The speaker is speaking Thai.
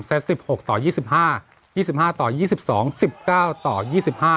สิบหกต่อยี่สิบห้ายี่สิบห้าต่อยี่สิบสองสิบเก้าต่อยี่สิบห้า